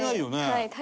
はい。